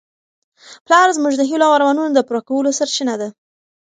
پلار زموږ د هیلو او ارمانونو د پوره کولو سرچینه ده.